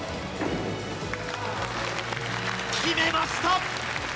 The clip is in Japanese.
決めました！